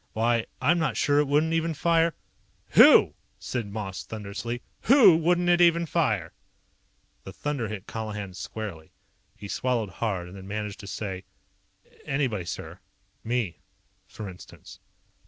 Why, I'm not sure it wouldn't even fire " "WHO?" said Moss thunderously. "WHO wouldn't it even fire?" The thunder hit Colihan squarely. He swallowed hard, and then managed to say: "Anybody, sir. Me, for instance."